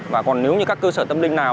và còn nếu như các cơ sở tâm linh nào